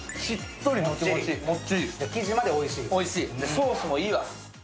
ソースもいいわ。